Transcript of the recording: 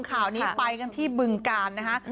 ข่าวนี้ไปกันที่บึงกาลนะฮะ